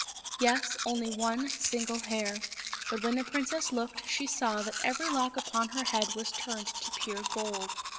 Yes ; only one single hair. But when the princess looked she saw that every lock upon her head was turned to pure gold.